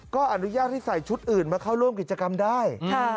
ก็อนุญาตให้ใส่ชุดอื่นมาเข้าร่วมกิจกรรมได้